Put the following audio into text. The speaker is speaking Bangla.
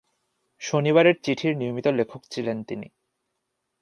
শনিবারের চিঠির নিয়মিত লেখক ছিলেন তিনি।